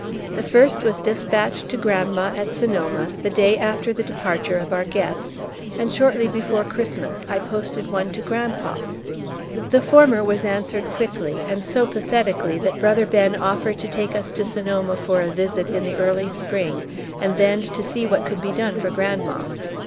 The first was despatched to grandma at Sonoma, the day after the departure of our guests; and shortly before Christmas I posted one to grandpa. The former was answered quickly, and so pathetically that brother Ben offered to take us to Sonoma for a visit in the early Spring and then to see what could be done for grandma.